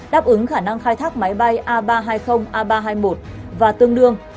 đáp ứng khả năng khai thác máy bay a ba trăm hai mươi a ba trăm hai mươi một và tương đương